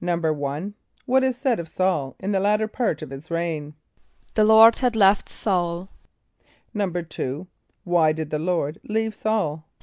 = What is said of S[a:]ul, in the latter part of his reign? =The Lord had left S[a:]ul.= =2.= Why did the Lord leave S[a:]ul?